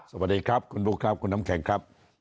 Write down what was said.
สวัสดีครับคุณบุ๊คครับคุณน้ำแข็งครับ